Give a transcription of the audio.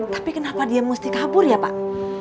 tapi kenapa dia mesti kabur ya pak